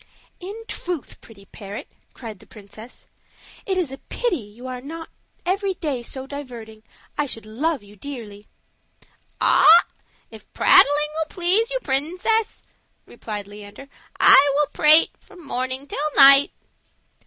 "In truth, pretty parrot," cried the princess, "it is a pity you are not every day so diverting; I should love you dearly." "Ah! if prattling will please you, princess," replied Leander, "I will prate from morning till night."